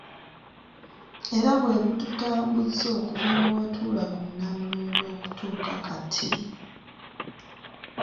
Era bwe bututaambuzza okuva lwe watuula ku Nnamulondo okutuuka kati.